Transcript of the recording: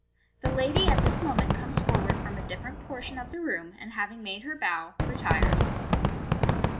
The lady at this moment comes forward from a different portion of the room, and having made her bow, retires.